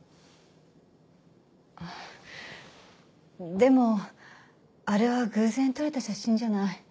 でもあれは偶然撮れた写真じゃない。